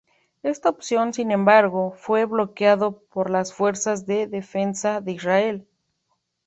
Esta opción, sin embargo, fue bloqueado por las Fuerzas de Defensa de Israel.